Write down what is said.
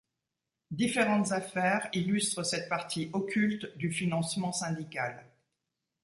Différentes affaires illustrent cette partie occulte du financement syndical.